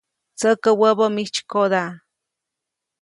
Tsäkä wäbä mijtsykoda.